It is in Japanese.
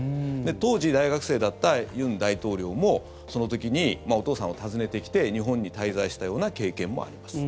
当時大学生だった尹大統領もその時にお父さんを訪ねてきて日本に滞在したような経験もあります。